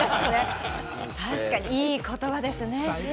確かにいい言葉ですね。